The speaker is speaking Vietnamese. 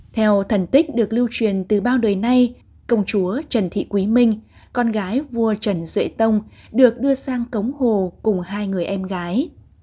theo thần tích được lưu truyền từ bao đời nay công chúa trần thị quý minh con gái vua trần duệ tông được đưa sang cống hồ cùng hai người em gái